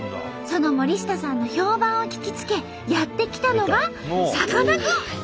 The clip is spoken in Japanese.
その森下さんの評判を聞きつけやって来たのがさかなクン！